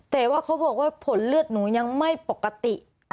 แต่ว่าเขาบอกว่าผลเลือดหนูยังไม่ปกติ